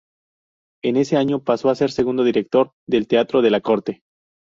En ese año pasó a ser segundo director del teatro de la Corte.